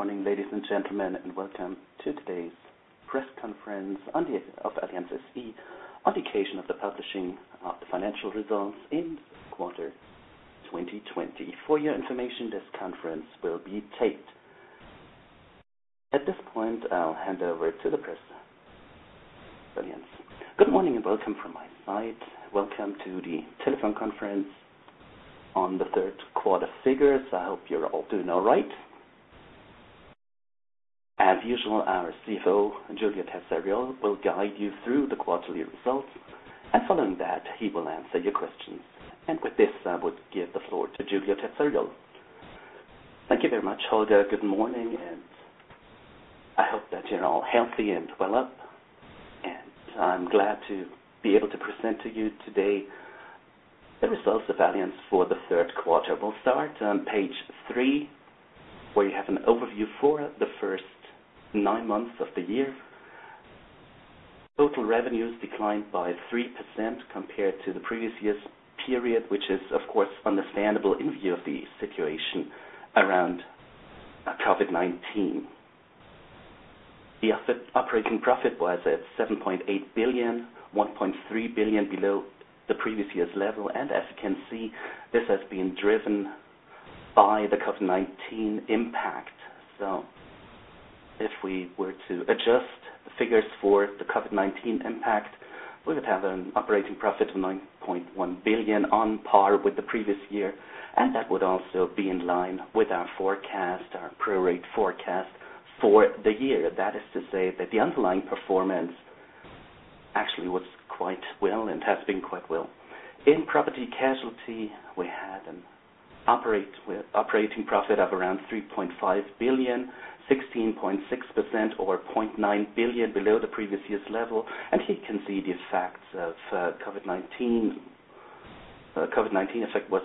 Good morning, ladies and gentlemen, and welcome to today's press conference for Allianz SE on the occasion of the publication of the financial results for the third quarter 2020. For your information, this conference will be taped. At this point, I'll hand over to the press. Good morning and welcome from my side. Welcome to the telephone conference on the third quarter figures. I hope you're all doing all right. As usual, our CFO, Giulio Terzariol, will guide you through the quarterly results, and following that, he will answer your questions. With this, I would give the floor to Giulio Terzariol. Thank you very much, Holger. Good morning, and I hope that you're all healthy and well. I'm glad to be able to present to you today the results of Allianz for the third quarter. We'll start on page three, where you have an overview for the first nine months of the year. Total revenues declined by 3% compared to the previous year's period, which is, of course, understandable in view of the situation around COVID-19. The operating profit was at 7.8 billion, 1.3 billion below the previous year's level. As you can see, this has been driven by the COVID-19 impact. If we were to adjust the figures for the COVID-19 impact, we would have an operating profit of 9.1 billion on par with the previous year. That would also be in line with our forecast, our pro rata forecast for the year. That is to say that the underlying performance actually was quite well and has been quite well. In property casualty, we had an operating profit of around 3.5 billion, 16.6% or 0.9 billion below the previous year's level. And here you can see the effects of COVID-19. The COVID-19 effect was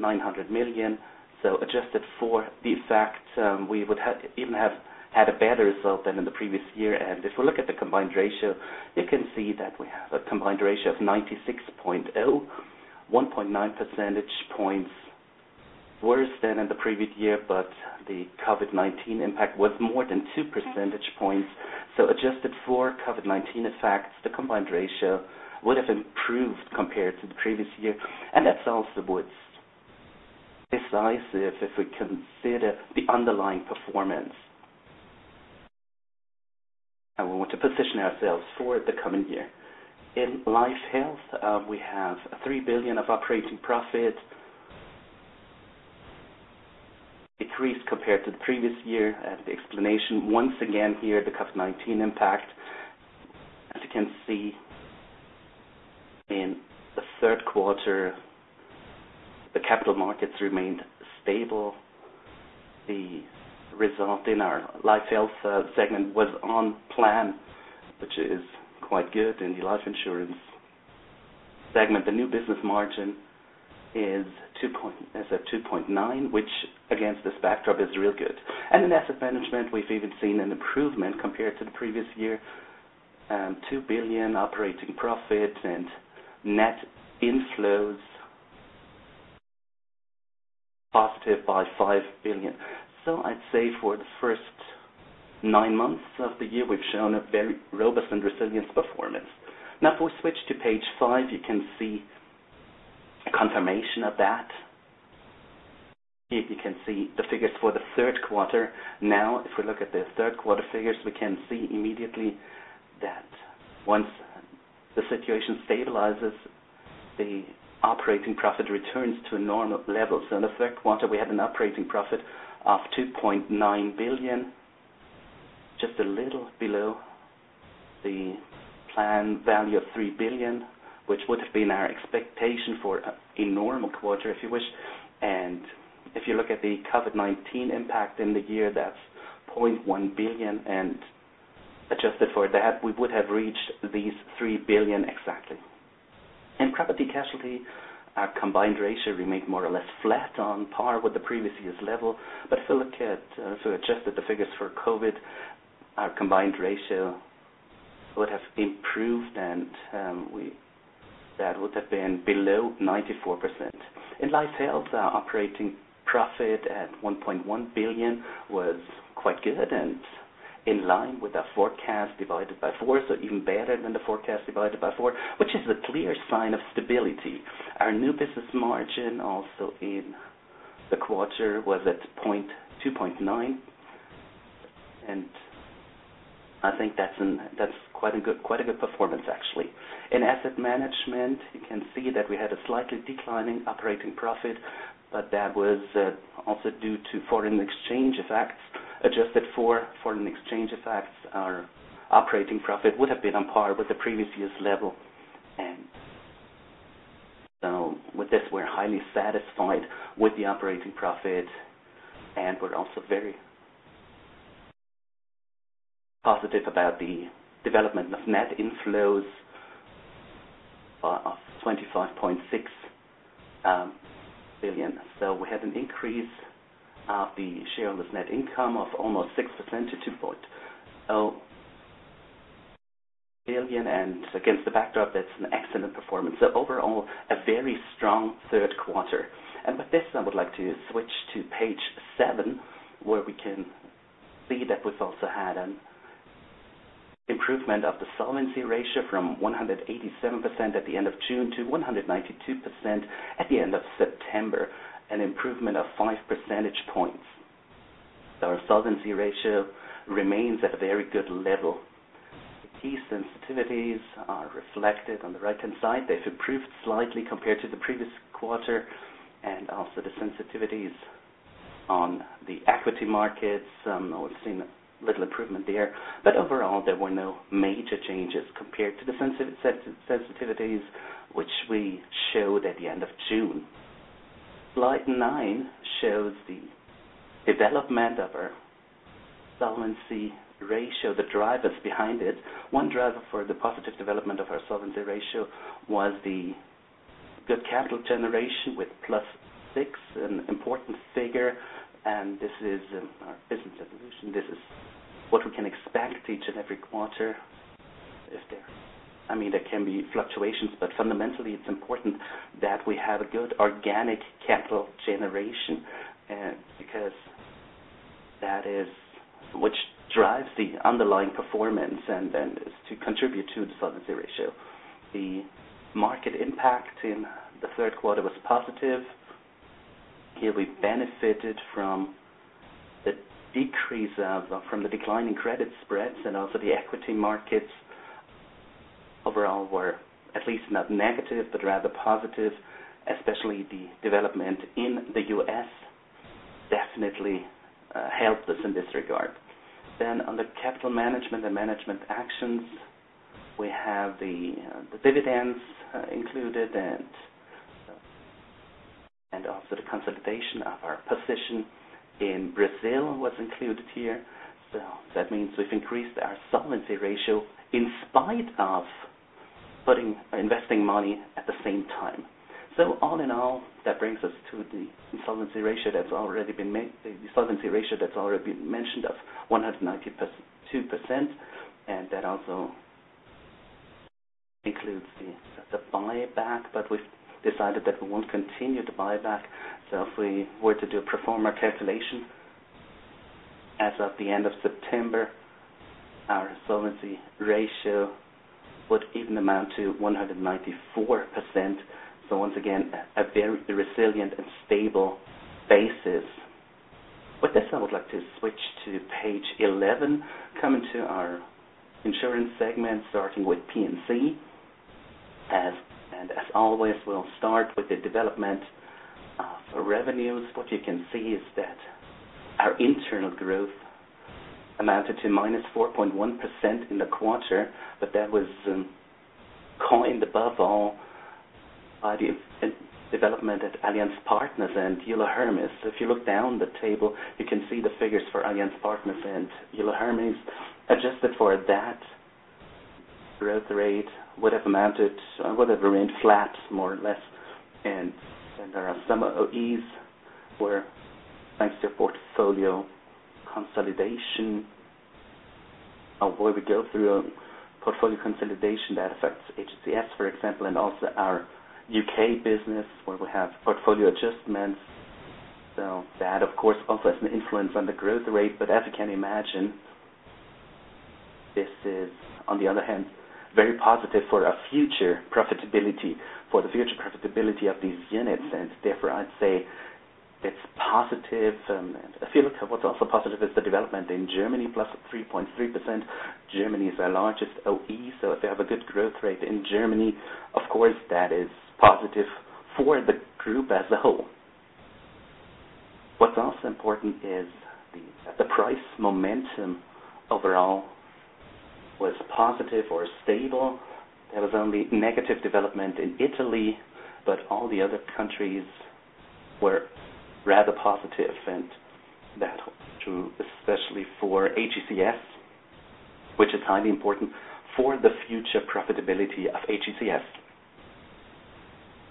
900 million. So adjusted for the effect, we would even have had a better result than in the previous year. And if we look at the combined ratio, you can see that we have a combined ratio of 96.0, 1.9 percentage points worse than in the previous year, but the COVID-19 impact was more than 2 percentage points. So adjusted for COVID-19 effects, the combined ratio would have improved compared to the previous year. And that's also what's precisely if we consider the underlying performance. And we want to position ourselves for the coming year. In life and health, we have 3 billion of operating profit. It increased compared to the previous year. And the explanation once again here, the COVID-19 impact. As you can see, in the third quarter, the capital markets remained stable. The result in our life health segment was on plan, which is quite good in the life insurance segment. The new business margin is at 2.9, which against this backdrop is real good. And in asset management, we've even seen an improvement compared to the previous year. 2 billion operating profit and net inflows positive by 5 billion. So I'd say for the first nine months of the year, we've shown a very robust and resilient performance. Now, if we switch to page five, you can see a confirmation of that. Here you can see the figures for the third quarter. Now, if we look at the third quarter figures, we can see immediately that once the situation stabilizes, the operating profit returns to normal levels. In the third quarter, we had an operating profit of 2.9 billion, just a little below the planned value of 3 billion, which would have been our expectation for a normal quarter, if you wish. And if you look at the COVID-19 impact in the year, that's 0.1 billion. And adjusted for that, we would have reached these 3 billion exactly. In property casualty, our combined ratio remained more or less flat on par with the previous year's level. But if we adjusted the figures for COVID, our combined ratio would have improved, and that would have been below 94%. In life health, our operating profit at 1.1 billion was quite good and in line with our forecast divided by four, so even better than the forecast divided by four, which is a clear sign of stability. Our new business margin also in the quarter was at 0.29. And I think that's quite a good performance, actually. In asset management, you can see that we had a slightly declining operating profit, but that was also due to foreign exchange effects. Adjusted for foreign exchange effects, our operating profit would have been on par with the previous year's level. And so with this, we're highly satisfied with the operating profit, and we're also very positive about the development of net inflows of 25.6 billion. So we had an increase of the shareholders' net income of almost 6% to 2.0 billion. And against the backdrop, that's an excellent performance. So overall, a very strong third quarter. With this, I would like to switch to page seven, where we can see that we've also had an improvement of the solvency ratio from 187% at the end of June to 192% at the end of September, an improvement of 5 percentage points. Our solvency ratio remains at a very good level. Key sensitivities are reflected on the right-hand side. They've improved slightly compared to the previous quarter. Also the sensitivities on the equity markets, we've seen a little improvement there. Overall, there were no major changes compared to the sensitivities which we showed at the end of June. Slide nine shows the development of our solvency ratio, the drivers behind it. One driver for the positive development of our solvency ratio was the good capital generation with plus six, an important figure. This is our business evolution. This is what we can expect each and every quarter. I mean, there can be fluctuations, but fundamentally, it's important that we have a good organic capital generation because that is what drives the underlying performance and then is to contribute to the solvency ratio. The market impact in the third quarter was positive. Here we benefited from the decrease from the declining credit spreads and also the equity markets. Overall, we're at least not negative, but rather positive, especially the development in the U.S. definitely helped us in this regard. Then on the capital management and management actions, we have the dividends included and also the consolidation of our position in Brazil was included here. So that means we've increased our solvency ratio in spite of putting investing money at the same time. So all in all, that brings us to the solvency ratio that's already been mentioned of 192%. And that also includes the buyback, but we've decided that we won't continue to buyback. So if we were to do a performance calculation as of the end of September, our solvency ratio would even amount to 194%. So once again, a very resilient and stable basis. With this, I would like to switch to page 11, coming to our insurance segment, starting with P&C. And as always, we'll start with the development of revenues. What you can see is that our internal growth amounted to -4.1% in the quarter, but that was driven above all by the development at Allianz Partners and Euler Hermes. So if you look down the table, you can see the figures for Allianz Partners and Euler Hermes. Adjusted for that, growth rate would have remained flat more or less. And then there are some OEs where, thanks to a portfolio consolidation, where we go through portfolio consolidation that affects AGCS, for example, and also our U.K. business where we have portfolio adjustments. So that, of course, also has an influence on the growth rate. But as you can imagine, this is, on the other hand, very positive for our future profitability, for the future profitability of these units. And therefore, I'd say it's positive. If you look at what's also positive is the development in Germany, plus 3.3%. Germany is our largest OE. So if you have a good growth rate in Germany, of course, that is positive for the group as a whole. What's also important is the price momentum overall was positive or stable. There was only negative development in Italy, but all the other countries were rather positive. And that was true especially for AGCS, which is highly important for the future profitability of AGCS.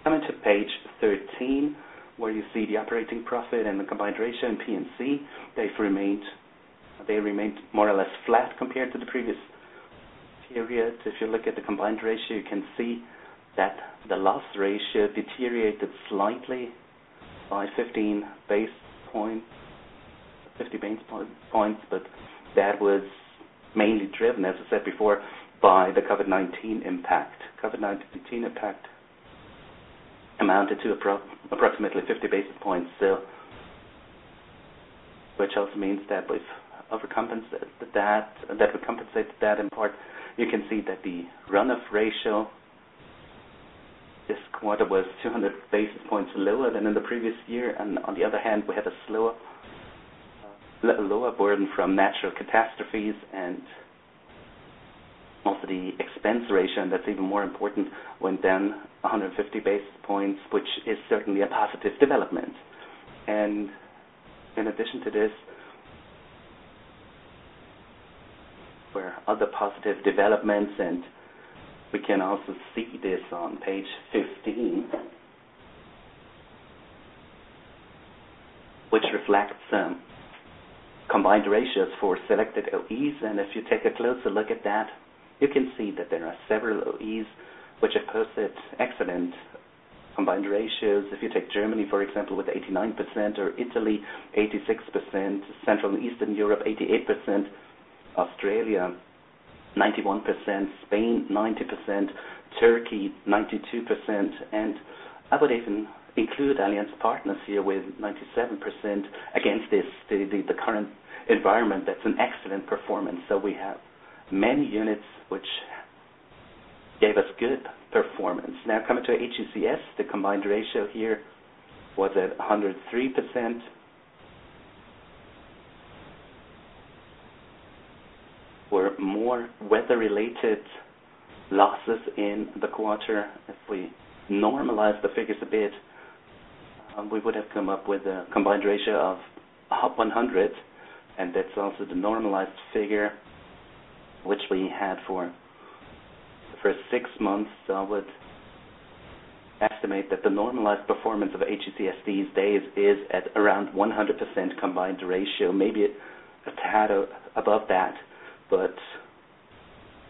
Coming to page 13, where you see the operating profit and the combined ratio and P&C, they remained more or less flat compared to the previous period. If you look at the combined ratio, you can see that the loss ratio deteriorated slightly by 15 basis points, 50 basis points. But that was mainly driven, as I said before, by the COVID-19 impact. COVID-19 impact amounted to approximately 50 basis points. So which also means that we've compensated that. That would compensate that in part. You can see that the run-off ratio this quarter was 200 basis points lower than in the previous year. And on the other hand, we had a lower burden from natural catastrophes. And also the expense ratio, and that's even more important, went down 150 basis points, which is certainly a positive development. And in addition to this, there are other positive developments. And we can also see this on page 15, which reflects combined ratios for selected OEs. And if you take a closer look at that, you can see that there are several OEs which have posted excellent combined ratios. If you take Germany, for example, with 89%, or Italy, 86%, Central and Eastern Europe, 88%, Australia, 91%, Spain, 90%, Turkey, 92%. And I would even include Allianz Partners here with 97%. Against the current environment, that's an excellent performance. So we have many units which gave us good performance. Now, coming to AGCS, the combined ratio here was at 103%. There were more weather-related losses in the quarter. If we normalize the figures a bit, we would have come up with a combined ratio of 100%. That's also the normalized figure, which we had for the first six months. I would estimate that the normalized performance of AGCS these days is at around 100% combined ratio. Maybe it had above that, but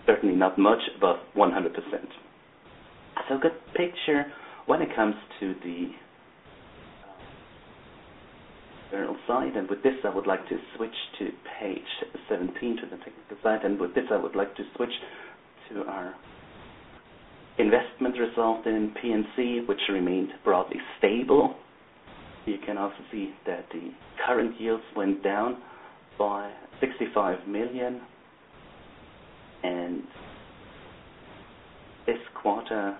certainly not much above 100%. That's a good picture when it comes to the internal side. With this, I would like to switch to page 17 to the technical side. With this, I would like to switch to our investment result in P&C, which remained broadly stable. You can also see that the current yields went down by 65 million. This quarter,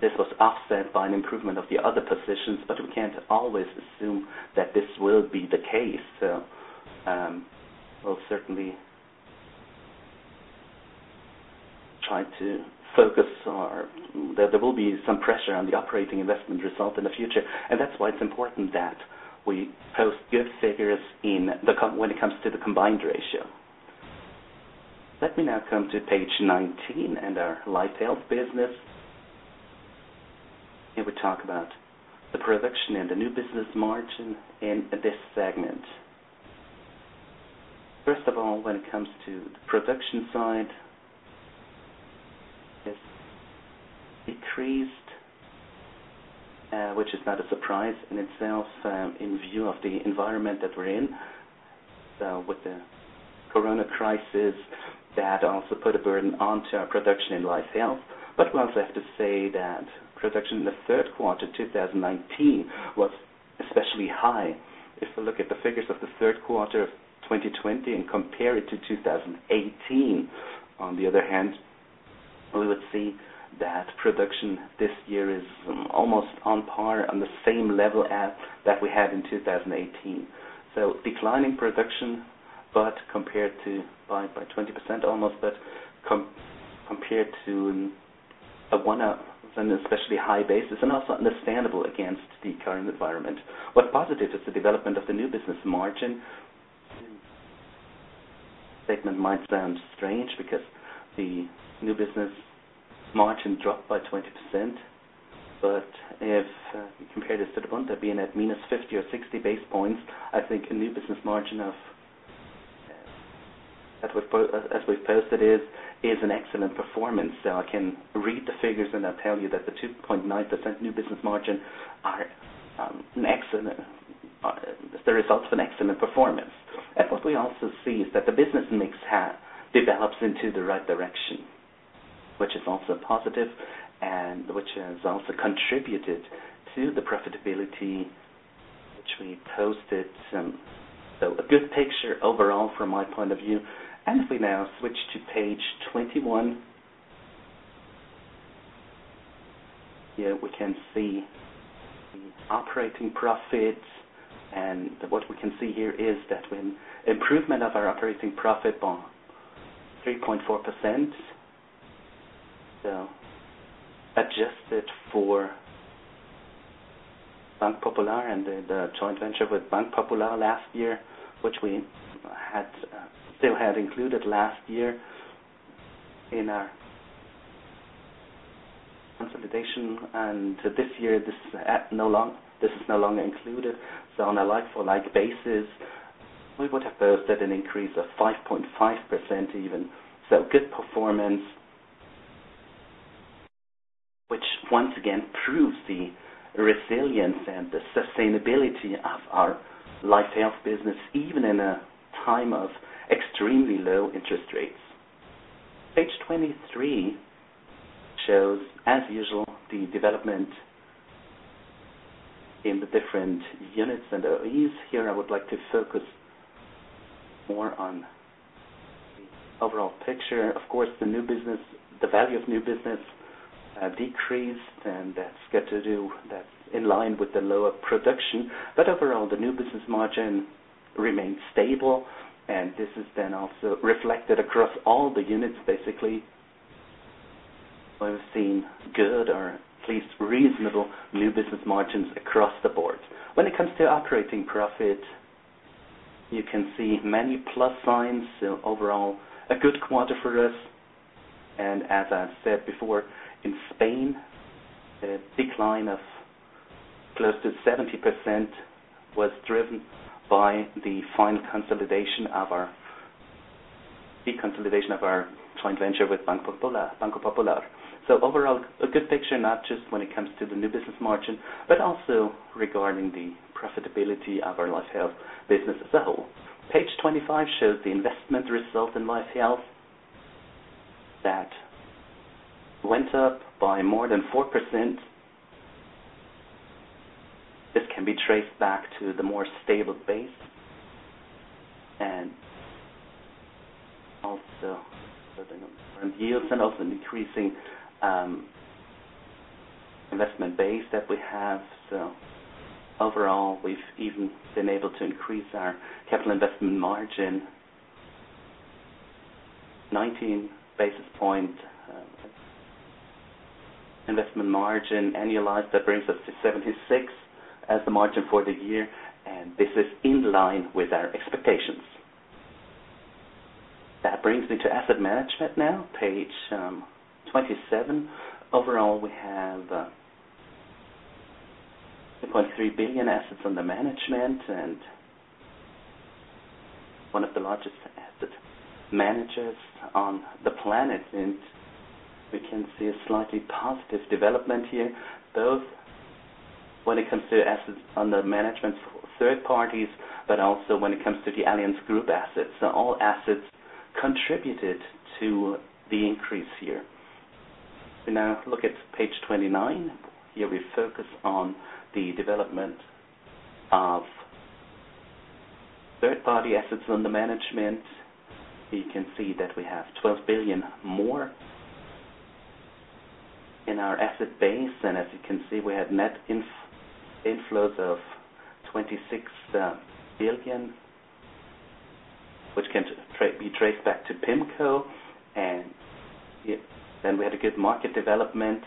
this was offset by an improvement of the other positions, but we can't always assume that this will be the case. We'll certainly try to focus our efforts there. There will be some pressure on the operating investment result in the future, and that's why it's important that we post good figures when it comes to the combined ratio. Let me now come to page 19 and our life health business. Here we talk about the production and the new business margin in this segment. First of all, when it comes to the production side, it's decreased, which is not a surprise in itself in view of the environment that we're in. With the Corona crisis, that also put a burden onto our production in life health. But we also have to say that production in the third quarter of 2019 was especially high. If we look at the figures of the third quarter of 2020 and compare it to 2018, on the other hand, we would see that production this year is almost on par, on the same level as that we had in 2018. So declining production, but compared to by 20% almost, but compared to a 100% especially high basis and also understandable against the current environment. What's positive is the development of the new business margin. This statement might sound strange because the new business margin dropped by 20%. But if you compare this to the one that being at minus 50 or 60 basis points, I think a new business margin of, as we've posted, is an excellent performance. So I can read the figures and I'll tell you that the 2.9% new business margin are the results of an excellent performance. What we also see is that the business mix develops into the right direction, which is also positive and which has also contributed to the profitability which we posted. So a good picture overall from my point of view. If we now switch to page 21, here we can see the operating profits. What we can see here is that we have an improvement of our operating profit by 3.4%. So adjusted for Banco Popular and the joint venture with Banco Popular last year, which we still had included last year in our consolidation. This year, this is no longer included. On a like-for-like basis, we would have posted an increase of 5.5% even. Good performance, which once again proves the resilience and the sustainability of our life and health business, even in a time of extremely low interest rates. Page 23 shows, as usual, the development in the different units and OEs. Here I would like to focus more on the overall picture. Of course, the new business, the value of new business decreased, and that's got to do. That's in line with the lower production. But overall, the new business margin remained stable. And this is then also reflected across all the units, basically. We've seen good or at least reasonable new business margins across the board. When it comes to operating profit, you can see many plus signs. So overall, a good quarter for us. And as I said before, in Spain, a decline of close to 70% was driven by the final consolidation of our joint venture with Banco Popular. So overall, a good picture, not just when it comes to the new business margin, but also regarding the profitability of our life health business as a whole. Page 25 shows the investment result in life health that went up by more than 4%. This can be traced back to the more stable base. And also the current yields and also the increasing investment base that we have. So overall, we've even been able to increase our capital investment margin, 19 basis points investment margin annualized. That brings us to 76 as the margin for the year. And this is in line with our expectations. That brings me to asset management now, page 27. Overall, we have 2.3 billion assets under management and one of the largest asset managers on the planet. We can see a slightly positive development here, both when it comes to assets under management for third parties, but also when it comes to the Allianz Group assets. So all assets contributed to the increase here. We now look at page 29. Here we focus on the development of third-party assets under management. You can see that we have 12 billion more in our asset base. And as you can see, we had net inflows of 26 billion, which can be traced back to PIMCO. And then we had a good market development.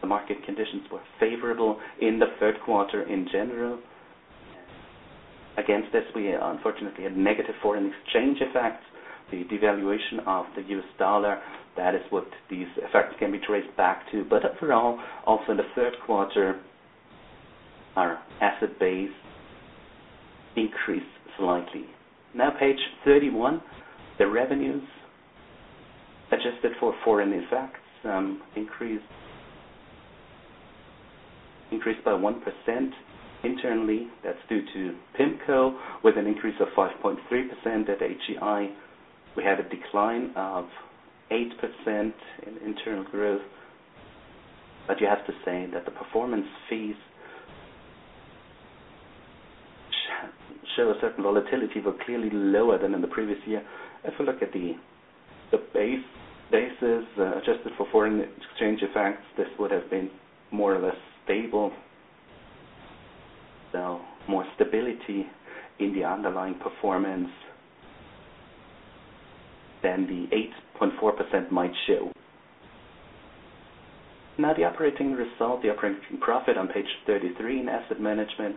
The market conditions were favorable in the third quarter in general. Against this, we unfortunately had negative foreign exchange effects, the devaluation of the U.S. dollar. That is what these effects can be traced back to. But overall, also in the third quarter, our asset base increased slightly. Now, page 31, the revenues adjusted for foreign effects increased by 1% internally. That's due to PIMCO with an increase of 5.3% in AGI. We had a decline of 8% in internal growth. But you have to say that the performance fees show a certain volatility, but clearly lower than in the previous year. If we look at the bases adjusted for foreign exchange effects, this would have been more or less stable. So more stability in the underlying performance than the 8.4% might show. Now, the operating result, the operating profit on page 33 in asset management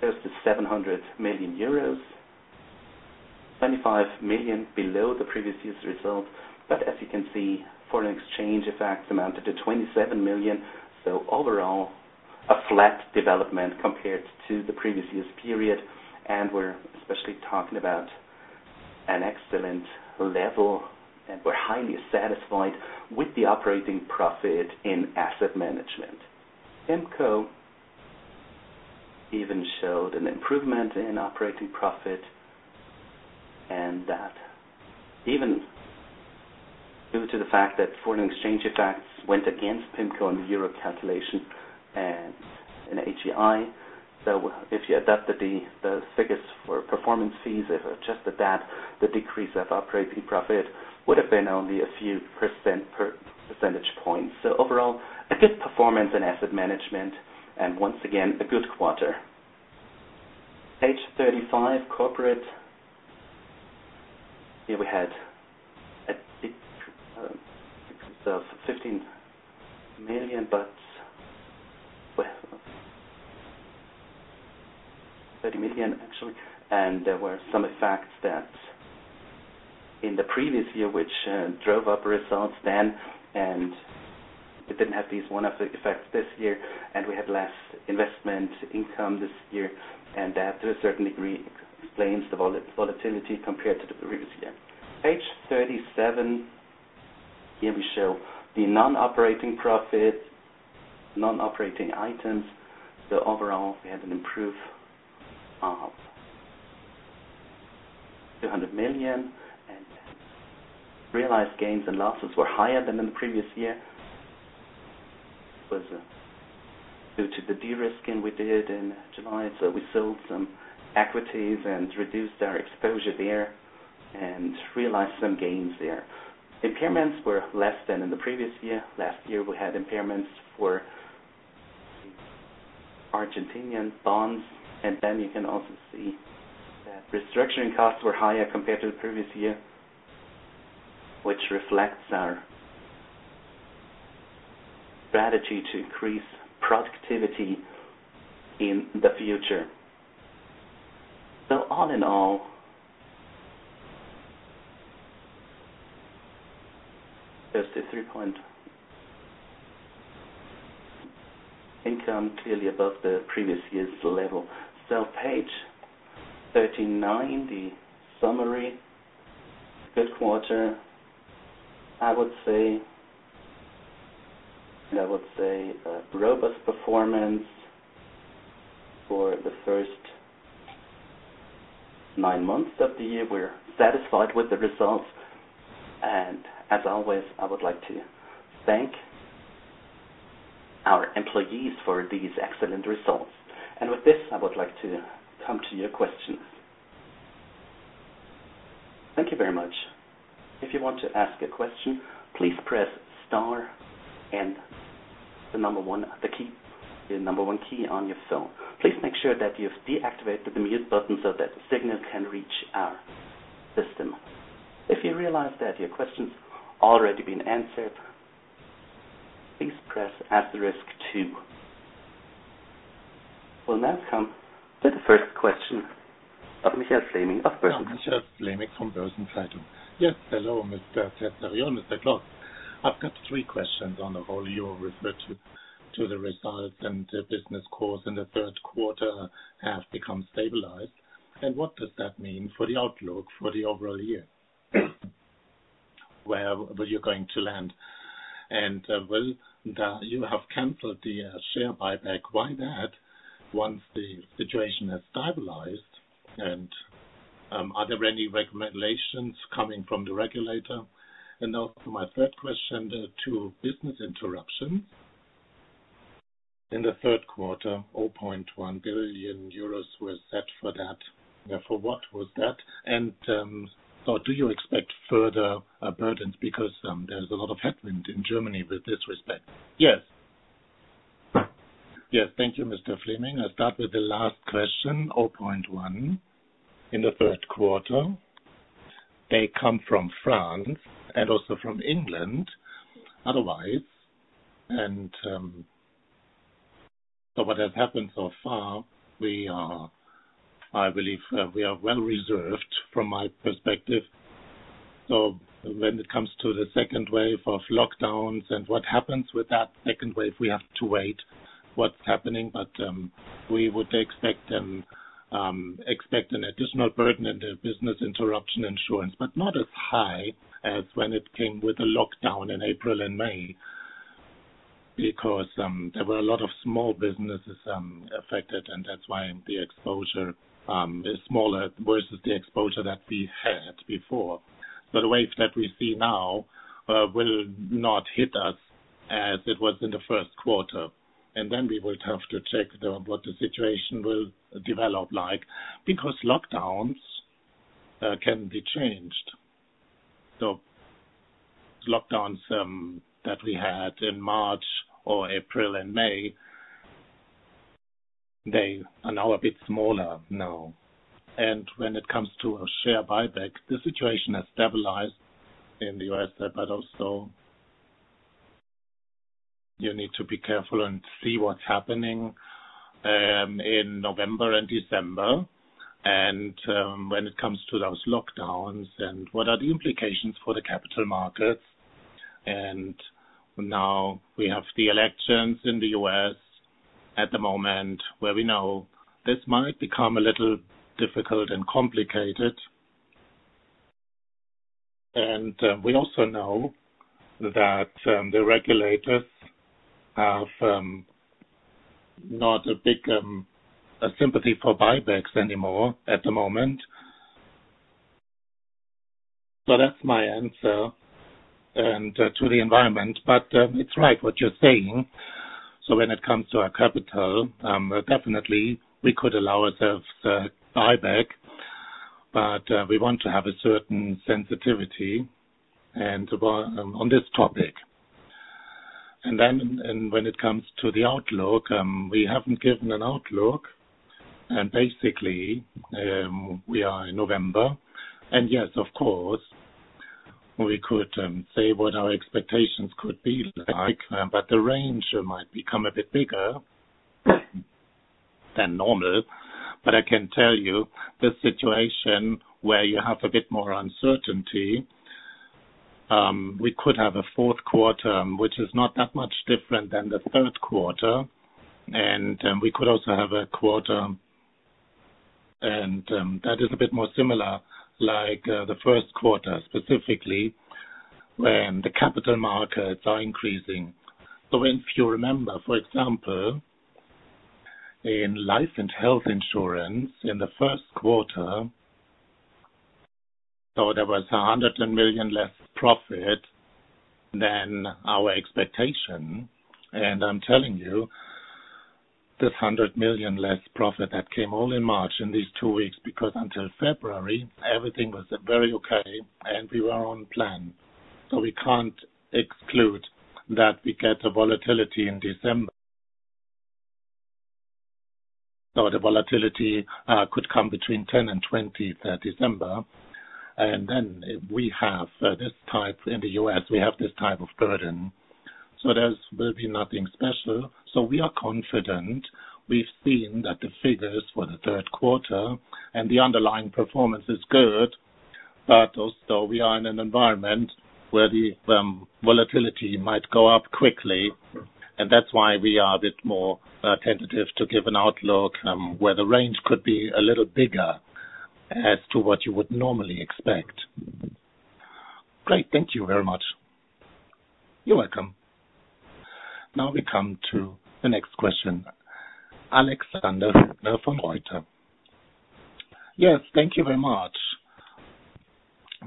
goes to 700 million euros, 25 million below the previous year's result. But as you can see, foreign exchange effects amounted to 27 million. So overall, a flat development compared to the previous year's period, and we're especially talking about an excellent level. We're highly satisfied with the operating profit in asset management. PIMCO even showed an improvement in operating profit. And that even due to the fact that foreign exchange effects went against PIMCO in the year of calculation and in AGI. So if you adopted the figures for performance fees, if adjusted that, the decrease of operating profit would have been only a few percentage points. So overall, a good performance in asset management and once again, a good quarter. Page 35, corporate. Here we had a decrease of 15 million, but 30 million actually. And there were some effects that in the previous year, which drove up results then. And we didn't have these one-off effects this year. And we had less investment income this year. And that to a certain degree explains the volatility compared to the previous year. Page 37, here we show the non-operating profit, non-operating items, so overall, we had an improvement of 200 million, and realized gains and losses were higher than in the previous year due to the de-risking we did in July, so we sold some equities and reduced our exposure there and realized some gains there. Impairments were less than in the previous year. Last year, we had impairments for Argentine bonds, and then you can also see that restructuring costs were higher compared to the previous year, which reflects our strategy to increase productivity in the future, so all in all, goes to EUR 3 billion. Income clearly above the previous year's level, so page 39, the summary, good quarter, I would say, and I would say robust performance for the first nine months of the year. We're satisfied with the results. As always, I would like to thank our employees for these excellent results. With this, I would like to come to your questions. Thank you very much. If you want to ask a question, please press star and the number one, the key, the number one key on your phone. Please make sure that you've deactivated the mute button so that the signal can reach our system. If you realize that your question's already been answered, please press asterisk two. We'll now come to the first question of Michael Fleming of Börsen-Zeitung. Michael Fleming from Börsen-Zeitung. Yes, hello, Mr. Terzariol, Mr. Klotz. I've got three questions on the whole. You referred to the results and the business calls in the third quarter have become stabilized. What does that mean for the outlook for the overall year? Where you're going to land? Will you have canceled the share buyback? Why that? Once the situation has stabilized, and are there any recommendations coming from the regulator? And also my third question to business interruptions. In the third quarter, 0.1 billion euros were set for that. For what was that? And so do you expect further burdens because there's a lot of headwind in Germany with this respect? Yes. Yes, thank you, Mr. Fleming. I'll start with the last question, 0.1 billion, in the third quarter. They come from France and also from England otherwise. And so what has happened so far, I believe we are well reserved from my perspective. So when it comes to the second wave of lockdowns and what happens with that second wave, we have to wait what's happening. But we would expect an additional burden and business interruption insurance, but not as high as when it came with a lockdown in April and May because there were a lot of small businesses affected. And that's why the exposure is smaller versus the exposure that we had before. So the wave that we see now will not hit us as it was in the first quarter. And then we will have to check what the situation will develop like because lockdowns can be changed. So lockdowns that we had in March or April and May, they are now a bit smaller now. And when it comes to share buyback, the situation has stabilized in the U.S., but also you need to be careful and see what's happening in November and December. And when it comes to those lockdowns and what are the implications for the capital markets. And now we have the elections in the U.S. at the moment where we know this might become a little difficult and complicated. And we also know that the regulators have not a big sympathy for buybacks anymore at the moment. So that's my answer to the environment. But it's right what you're saying. So when it comes to our capital, definitely we could allow ourselves a buyback, but we want to have a certain sensitivity on this topic. And then when it comes to the outlook, we haven't given an outlook. And basically, we are in November. And yes, of course, we could say what our expectations could be like, but the range might become a bit bigger than normal. But I can tell you this situation where you have a bit more uncertainty. We could have a fourth quarter, which is not that much different than the third quarter. And we could also have a quarter, and that is a bit more similar like the first quarter specifically when the capital markets are increasing. So if you remember, for example, in life and health insurance in the first quarter, so there was 100 million less profit than our expectation. And I'm telling you, this 100 million less profit that came all in March in these two weeks because until February, everything was very okay and we were on plan. So we can't exclude that we get the volatility in December. So the volatility could come between 10 and 20 December. And then if we have this type in the U.S., we have this type of burden. So there will be nothing special. So we are confident. We've seen that the figures for the third quarter and the underlying performance is good. But also we are in an environment where the volatility might go up quickly. And that's why we are a bit more tentative to give an outlook where the range could be a little bigger as to what you would normally expect. Great. Thank you very much. You're welcome. Now we come to the next question, Alexander Wagner from Reuters. Yes, thank you very much.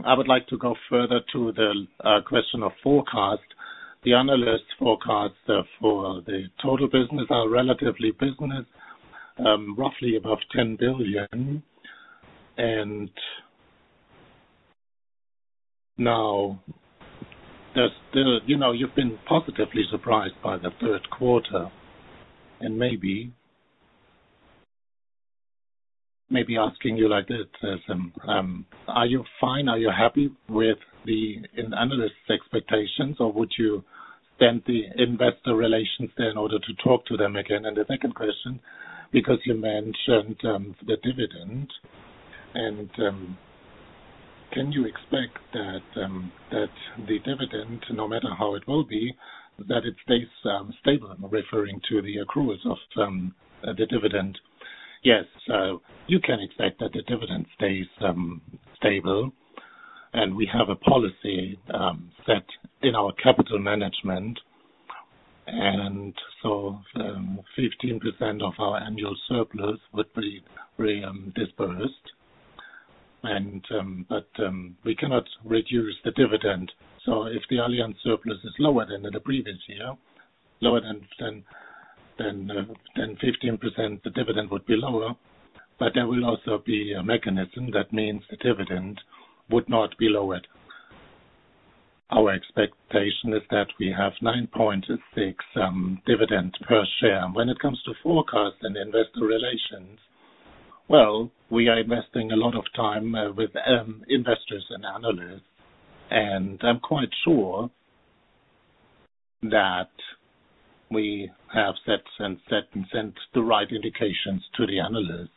I would like to go further to the question of forecast. The analyst forecasts for the total business are relatively bullish, roughly above 10 billion. And now you've been positively surprised by the third quarter. And maybe asking you like this, are you fine? Are you happy with the analysts' expectations, or would you send the investor relations there in order to talk to them again? And the second question, because you mentioned the dividend, and can you expect that the dividend, no matter how it will be, that it stays stable? I'm referring to the accruals of the dividend. Yes, so you can expect that the dividend stays stable, and we have a policy set in our capital management, and so 15% of our annual surplus would be dispersed, but we cannot reduce the dividend, so if the underlying surplus is lower than in the previous year, lower than 15%, the dividend would be lower, but there will also be a mechanism that means the dividend would not be lowered. Our expectation is that we have 9.6 dividend per share. When it comes to forecasts and investor relations, well, we are investing a lot of time with investors and analysts, and I'm quite sure that we have said and sent the right indications to the analysts,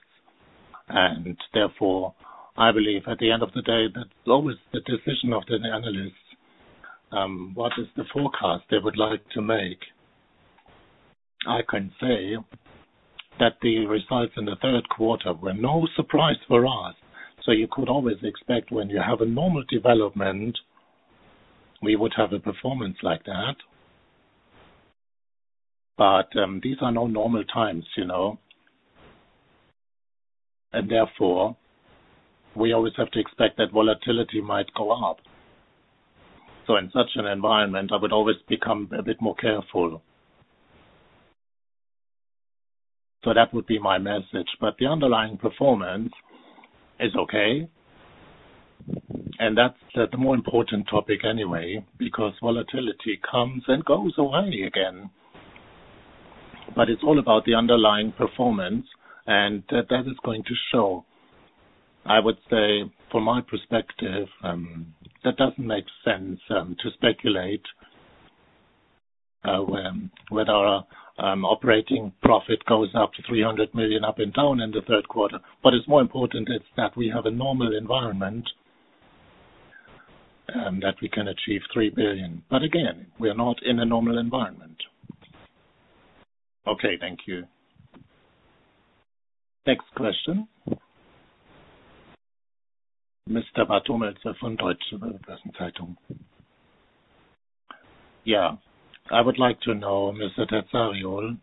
and therefore, I believe at the end of the day, that's always the decision of the analysts. What is the forecast they would like to make? I can say that the results in the third quarter were no surprise for us, so you could always expect when you have a normal development, we would have a performance like that, but these are no normal times, and therefore, we always have to expect that volatility might go up, so in such an environment, I would always become a bit more careful, so that would be my message, but the underlying performance is okay. That's the more important topic anyway because volatility comes and goes away again. It's all about the underlying performance. That is going to show. I would say, from my perspective, that doesn't make sense to speculate whether operating profit goes up to 300 million up and down in the third quarter. What is more important is that we have a normal environment and that we can achieve 3 billion. Again, we're not in a normal environment. Okay. Thank you. Next question, Mr. Bartholomäus from Börsen-Zeitung. Yeah. I would like to know, Mr. Terzariol,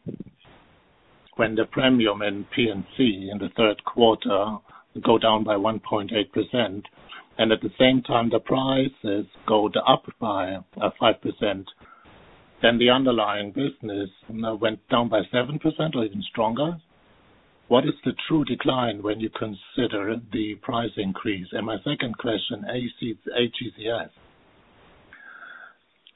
when the premium in P&C in the third quarter go down by 1.8%, and at the same time the prices go up by 5%, then the underlying business went down by 7% or even stronger. What is the true decline when you consider the price increase? And my second question, AGCS.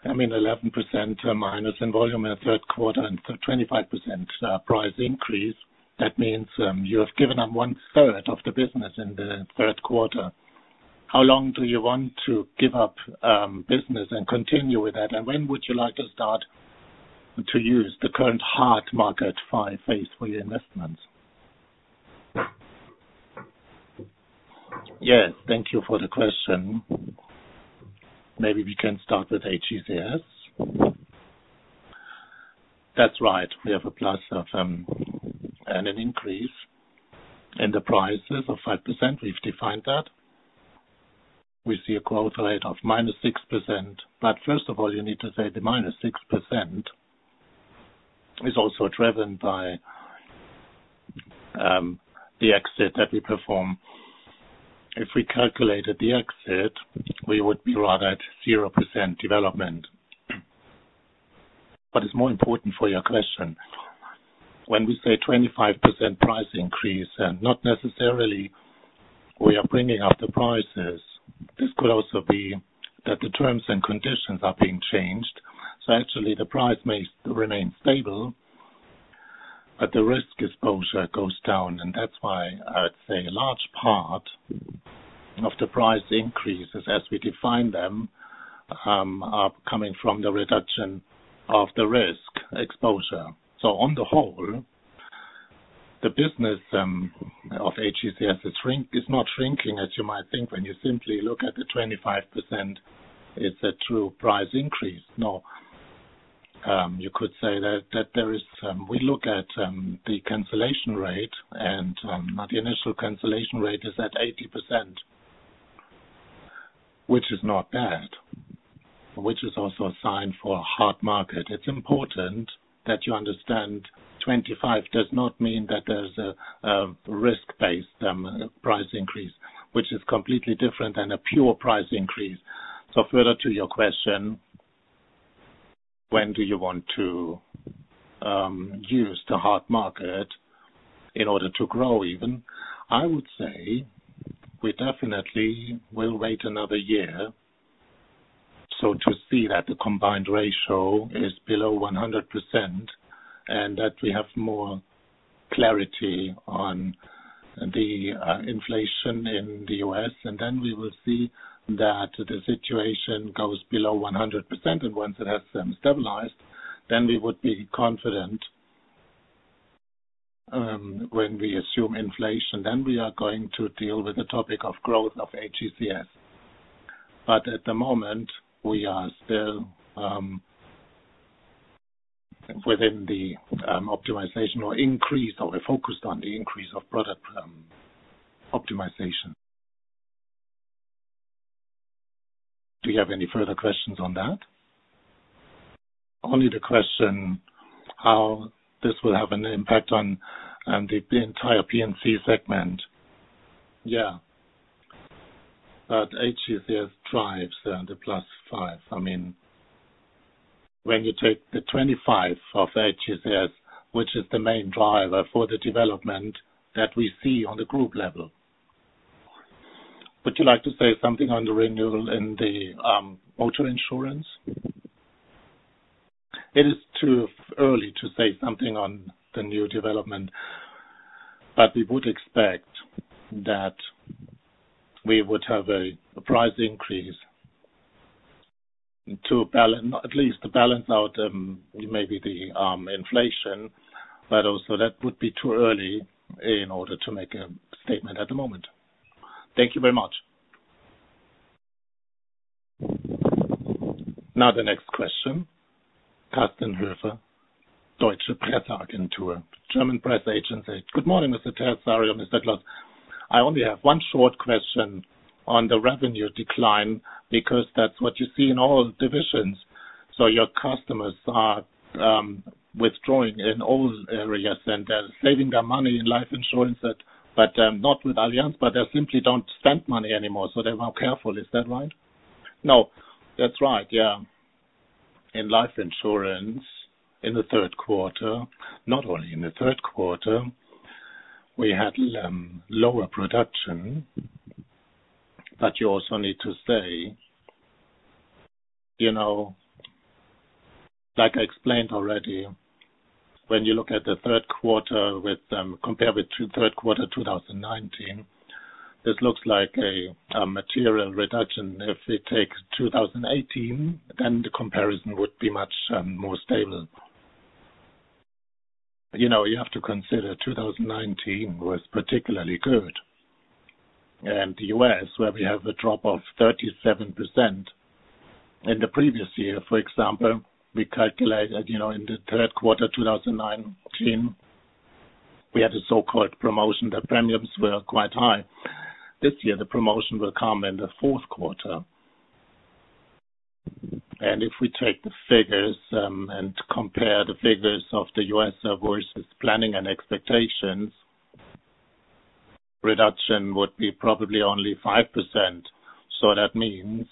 I mean, -11% in volume in the third quarter and 25% price increase. That means you have given up one-third of the business in the third quarter. How long do you want to give up business and continue with that? And when would you like to start to use the current hard market phase for your investments? Yes. Thank you for the question. Maybe we can start with AGCS. That's right. We have a plus and an increase in the prices of 5%. We've defined that. We see a growth rate of minus 6%. But first of all, you need to say the minus 6% is also driven by the exit that we perform. If we calculated the exit, we would be right at 0% development. But it's more important for your question. When we say 25% price increase, not necessarily we are bringing up the prices. This could also be that the terms and conditions are being changed. So actually, the price may remain stable, but the risk exposure goes down. And that's why I'd say a large part of the price increases as we define them are coming from the reduction of the risk exposure. So on the whole, the business of AGCS is not shrinking as you might think when you simply look at the 25%. It's a true price increase. No, you could say that there is we look at the cancellation rate, and the initial cancellation rate is at 80%, which is not bad, which is also a sign for a hard market. It's important that you understand 25 does not mean that there's a risk-based price increase, which is completely different than a pure price increase. So, further to your question, when do you want to use the hard market in order to grow, even? I would say we definitely will wait another year to see that the combined ratio is below 100% and that we have more clarity on the inflation in the U.S. And then we will see that the situation goes below 100%. And once it has stabilized, then we would be confident when we assume inflation, then we are going to deal with the topic of growth of AGCS. But at the moment, we are still within the optimization or increase or focused on the increase of product optimization. Do you have any further questions on that? Only the question how this will have an impact on the entire P&C segment. Yeah. But AGCS drives the plus five. I mean, when you take the 25 of AGCS, which is the main driver for the development that we see on the group level. Would you like to say something on the renewal in the motor insurance? It is too early to say something on the new development, but we would expect that we would have a price increase to at least balance out maybe the inflation, but also that would be too early in order to make a statement at the moment. Thank you very much. Now the next question, Carsten Höfer, Deutsche Presse-Agentur, German Press Agency. Good morning, Mr. Terzariol, Mr. Klotz. I only have one short question on the revenue decline because that's what you see in all divisions. So your customers are withdrawing in all areas, and they're saving their money in life insurance, but not with Allianz, but they simply don't spend money anymore. So they're more careful. Is that right? No, that's right. Yeah. In life insurance in the third quarter, not only in the third quarter, we had lower production. But you also need to say, like I explained already, when you look at the third quarter compared with third quarter 2019, this looks like a material reduction. If we take 2018, then the comparison would be much more stable. You have to consider 2019 was particularly good. And the U.S., where we have a drop of 37% in the previous year, for example, we calculated in the third quarter 2019, we had a so-called promotion. The premiums were quite high. This year, the promotion will come in the fourth quarter. And if we take the figures and compare the figures of the U.S. versus planning and expectations, reduction would be probably only 5%. So that means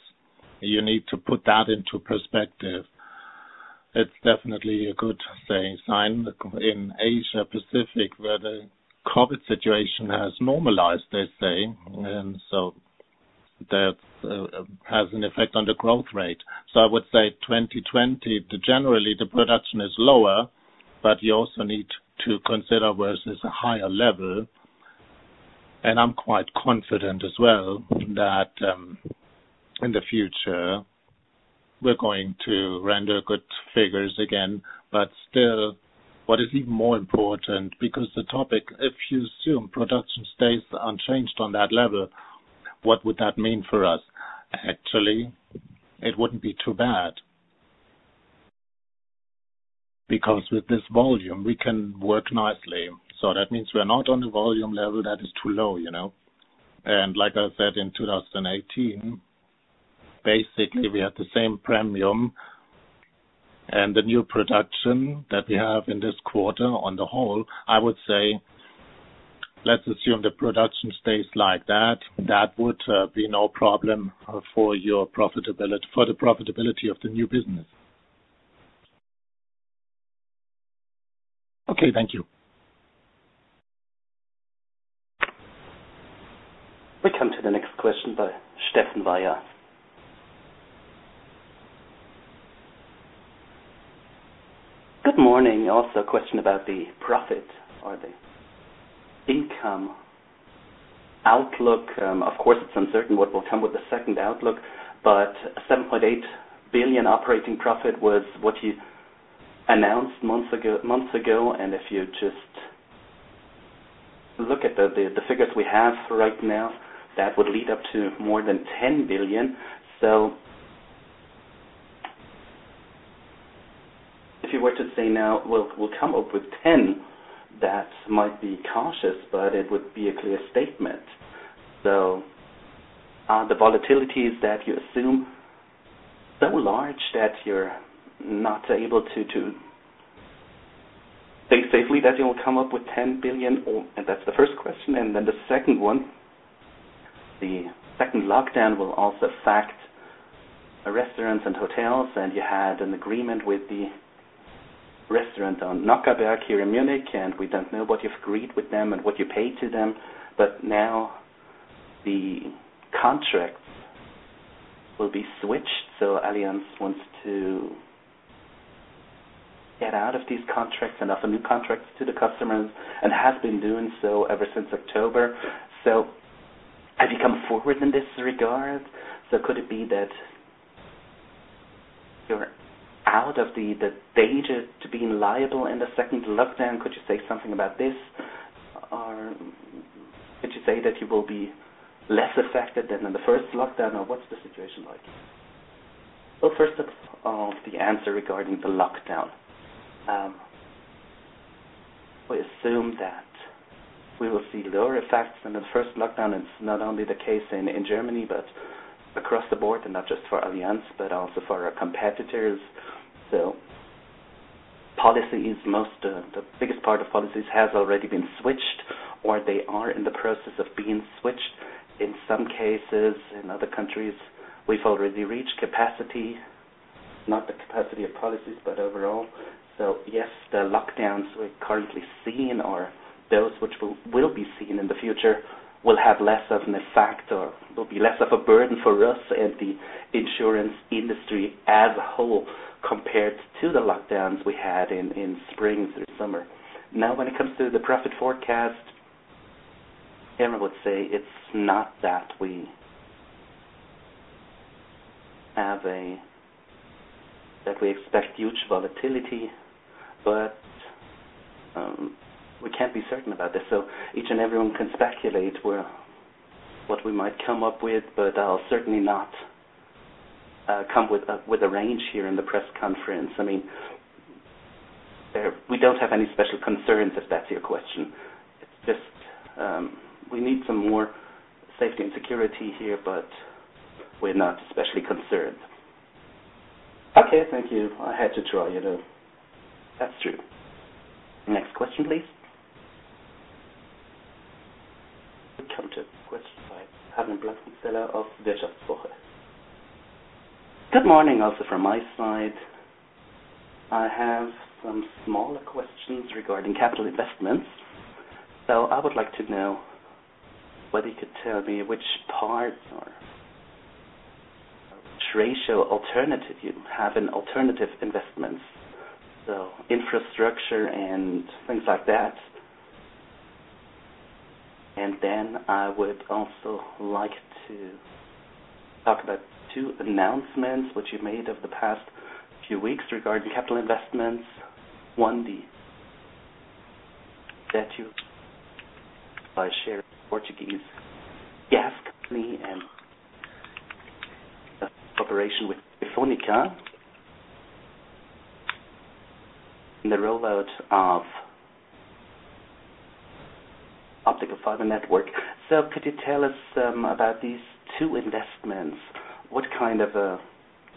you need to put that into perspective. It's definitely a good sign in Asia-Pacific where the COVID situation has normalized, they say. And so that has an effect on the growth rate. So I would say 2020, generally, the production is lower, but you also need to consider versus a higher level. And I'm quite confident as well that in the future, we're going to render good figures again. But still, what is even more important because the topic, if you assume production stays unchanged on that level, what would that mean for us? Actually, it wouldn't be too bad because with this volume, we can work nicely. So that means we're not on a volume level that is too low. And like I said, in 2018, basically, we had the same premium. And the new production that we have in this quarter on the whole, I would say, let's assume the production stays like that, that would be no problem for the profitability of the new business. Okay. Thank you. We come to the next question by Steffen Weyer. Good morning. Also a question about the profit or the income outlook. Of course, it's uncertain what will come with the second outlook, but 7.8 billion operating profit was what you announced months ago. And if you just look at the figures we have right now, that would lead up to more than EUR 10 billion. So if you were to say now, "Well, we'll come up with 10," that might be cautious, but it would be a clear statement. So are the volatilities that you assume so large that you're not able to think safely that you'll come up with 10 billion? That's the first question. Then the second one, the second lockdown will also affect restaurants and hotels. You had an agreement with the restaurant on Nockherberg here in Munich, and we don't know what you've agreed with them and what you paid to them. But now the contracts will be switched. Allianz wants to get out of these contracts and offer new contracts to the customers and has been doing so ever since October. Have you come forward in this regard? Could it be that you're out of the danger to being liable in the second lockdown? Could you say something about this? Or would you say that you will be less affected than in the first lockdown? Or what's the situation like? First of all, the answer regarding the lockdown. We assume that we will see lower effects than the first lockdown. It's not only the case in Germany, but across the board, and not just for Allianz, but also for our competitors. So policies, the biggest part of policies has already been switched, or they are in the process of being switched. In some cases, in other countries, we've already reached capacity, not the capacity of policies, but overall. So yes, the lockdowns we're currently seeing or those which will be seen in the future will have less of an effect or will be less of a burden for us and the insurance industry as a whole compared to the lockdowns we had in spring through summer. Now, when it comes to the profit forecast, I would say it's not that we expect huge volatility, but we can't be certain about this. So each and everyone can speculate what we might come up with, but I'll certainly not come with a range here in the press conference. I mean, we don't have any special concerns if that's your question. It's just we need some more safety and security here, but we're not especially concerned. Okay. Thank you. I had to try it. That's true. Next question, please. We come to question by Hanna Krolle of WirtschaftsWoche. Good morning. Also from my side, I have some smaller questions regarding capital investments. So I would like to know whether you could tell me which part or which ratio alternative you have in alternative investments, so infrastructure and things like that. And then I would also like to talk about two announcements, which you made over the past few weeks regarding capital investments. One that you bought shares in a Portuguese gas company and the cooperation with Telefónica in the rollout of optical fiber network. So could you tell us about these two investments? What kind of a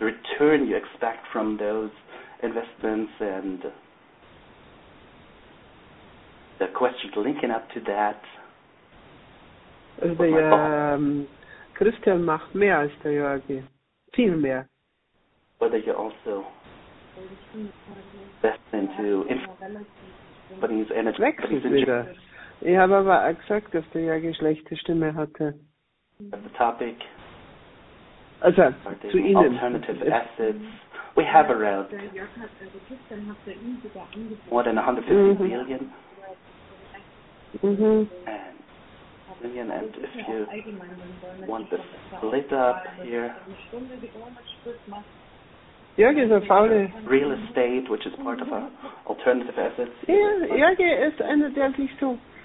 return you expect from those investments? And the question linking up to that. Whether you also invest into Portuguese energy. Really? Yes, but it says that Jörg had a bad voice. On the topic. As to alternative assets, we have around more than EUR 150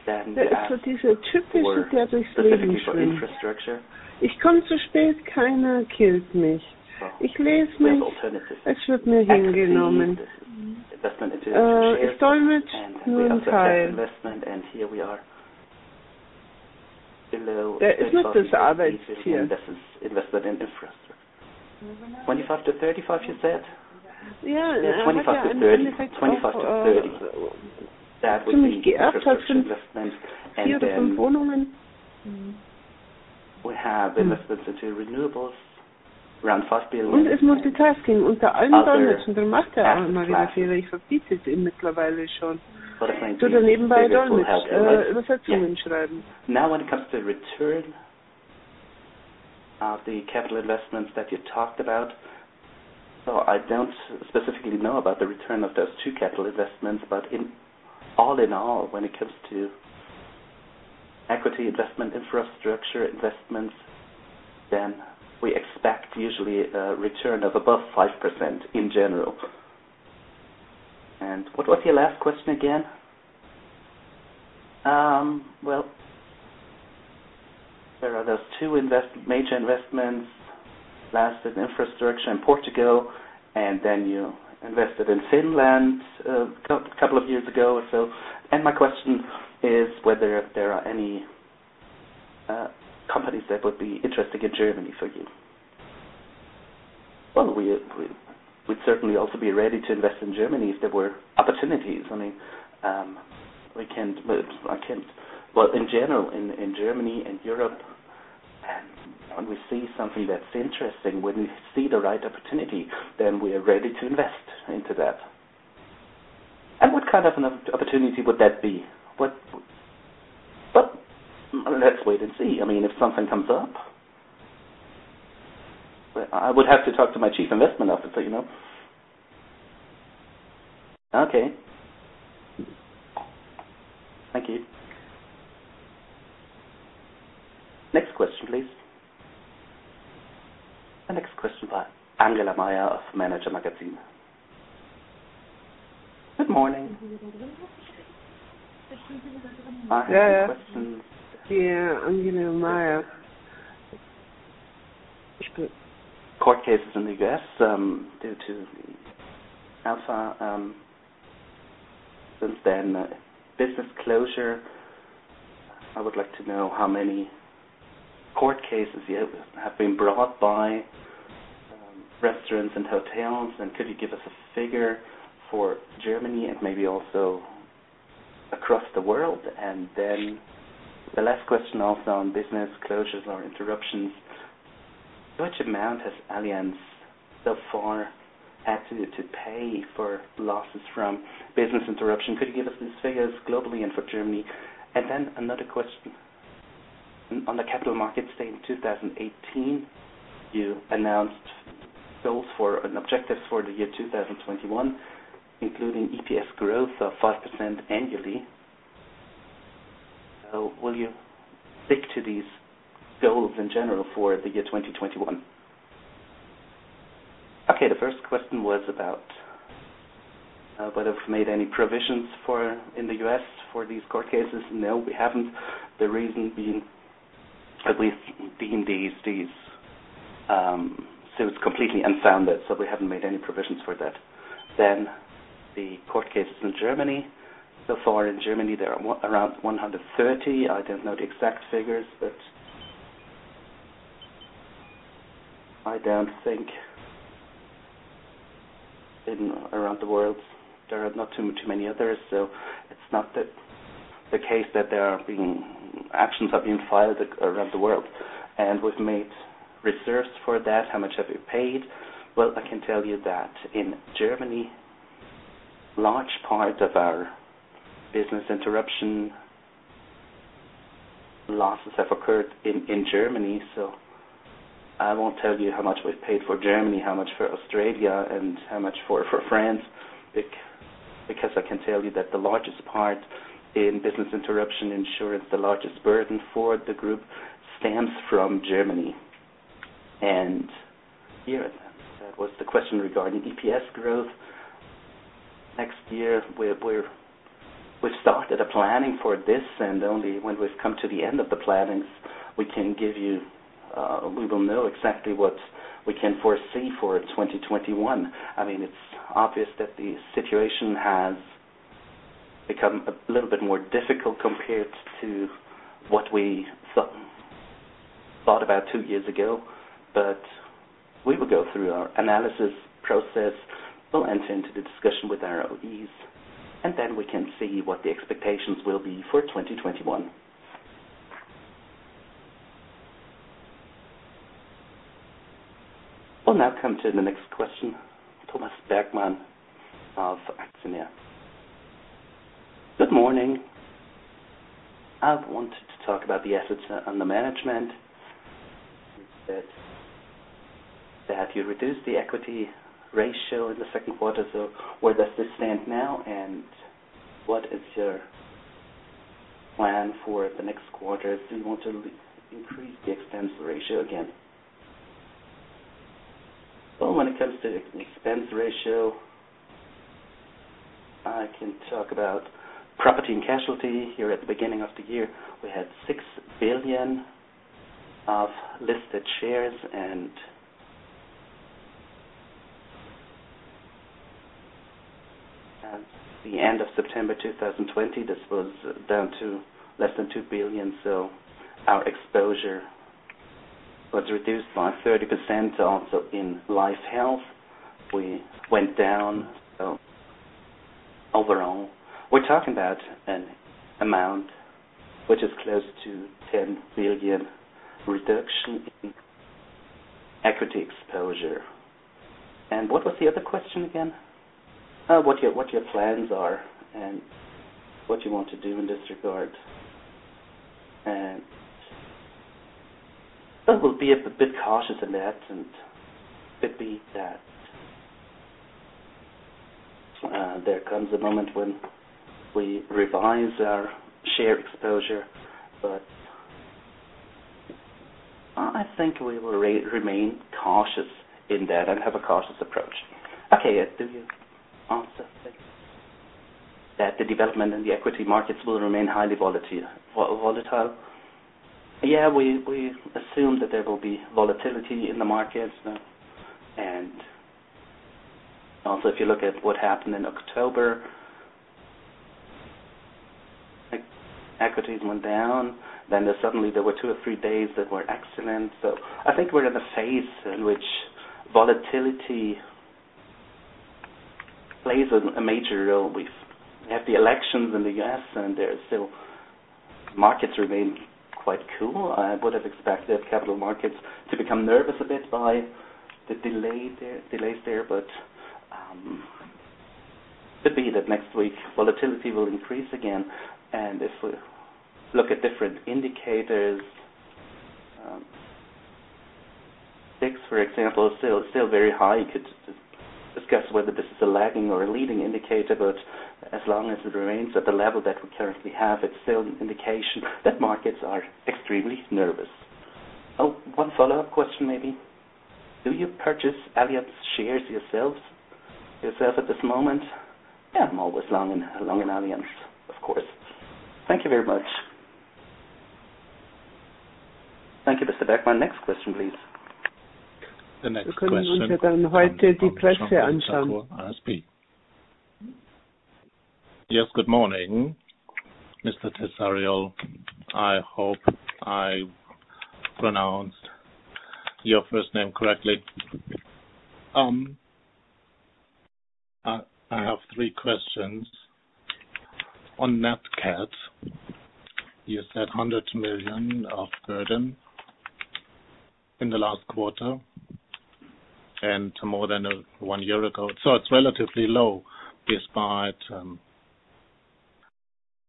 billion. And if you split up here, Jörg is a founder. Real estate, which is part of our alternative assets. Jörg is one of those so typical, who is so inclined for infrastructure. I'm coming too late, no one kills me. I read myself, it will be accepted. And it's allocated to an alternative investment. And here we are below. There is still the work team. Investment in infrastructure. 25-35, you said? Yeah, 25-30. That would be an alternative investment. We have investments into renewables. Around five billion. Now, when it comes to return of the capital investments that you talked about, so I don't specifically know about the return of those two capital investments, but all in all, when it comes to equity investment, infrastructure investments, then we expect usually a return of above 5% in general. And what was your last question again? Well, there are those two major investments, last in infrastructure in Portugal, and then you invested in Finland a couple of years ago. And my question is whether there are any companies that would be interesting in Germany for you. We'd certainly also be ready to invest in Germany if there were opportunities. I mean, I can't, well, in general, in Germany and Europe, and when we see something that's interesting, when we see the right opportunity, then we are ready to invest into that. And what kind of an opportunity would that be? But let's wait and see. I mean, if something comes up, I would have to talk to my chief investment officer. Okay. Thank you. Next question, please. The next question by Angela Maier of Manager Magazin. Good morning. Yeah. Angela Maier. Court cases in the U.S. due to Alpha. Since then, business closure. I would like to know how many court cases have been brought by restaurants and hotels, and could you give us a figure for Germany and maybe also across the world? And then the last question also on business closures or interruptions. Which amount has Allianz so far had to pay for losses from business interruption? Could you give us these figures globally and for Germany? And then another question. On the Capital Markets Day in 2018, you announced goals for and objectives for the year 2021, including EPS growth of 5% annually. Will you stick to these goals in general for the year 2021? Okay. The first question was about whether we've made any provisions in the U.S. for these court cases. No, we haven't. The reason being at least deemed these suits completely unfounded, so we haven't made any provisions for that. Then the court cases in Germany. So far in Germany, there are around 130. I don't know the exact figures, but I don't think around the world there are not too many others. It's not the case that there are being actions that are being filed around the world. And we've made reserves for that. How much have you paid? Well, I can tell you that in Germany, large part of our business interruption losses have occurred in Germany. So I won't tell you how much we've paid for Germany, how much for Australia, and how much for France, because I can tell you that the largest part in business interruption insurance, the largest burden for the group, stems from Germany. And here was the question regarding EPS growth. Next year, we've started planning for this, and only when we've come to the end of the plannings, we can give you we will know exactly what we can foresee for 2021. I mean, it's obvious that the situation has become a little bit more difficult compared to what we thought about two years ago. But we will go through our analysis process. We'll enter into the discussion with our OEs, and then we can see what the expectations will be for 2021. We'll now come to the next question. Thomas Bergmann of Der Aktionär. Good morning. I've wanted to talk about the asset management. You said that you reduced the equity ratio in the second quarter. So where does this stand now? And what is your plan for the next quarter? Do you want to increase the expense ratio again? Well, when it comes to expense ratio, I can talk about property and casualty. Here at the beginning of the year, we had 6 billion of listed shares, and at the end of September 2020, this was down to less than 2 billion. So our exposure was reduced by 30%. Also in life health, we went down. So overall, we're talking about an amount which is close to 10 billion reduction in equity exposure. And what was the other question again? What your plans are and what you want to do in this regard. And we'll be a bit cautious in that and be that there comes a moment when we revise our share exposure, but I think we will remain cautious in that and have a cautious approach. Okay. Do you also think that the development in the equity markets will remain highly volatile? Yeah. We assume that there will be volatility in the markets. Also, if you look at what happened in October, equities went down. Then suddenly, there were two or three days that were excellent. So I think we're in a phase in which volatility plays a major role. We have the elections in the U.S., and still, markets remain quite cool. I would have expected capital markets to become nervous a bit by the delays there, but it could be that next week volatility will increase again. And if we look at different indicators, VIX, for example, is still very high. You could discuss whether this is a lagging or a leading indicator, but as long as it remains at the level that we currently have, it's still an indication that markets are extremely nervous. Oh, one follow-up question maybe. Do you purchase Allianz shares yourself at this moment? Yeah. I'm always long in Allianz, of course. Thank you very much. Thank you, Mr. Bergmann. Next question, please. Yes, good morning, Mr. Terzariol. I hope I pronounced your first name correctly. I have three questions. On NatCat, you said 100 million of burden in the last quarter and more than one year ago. So it's relatively low despite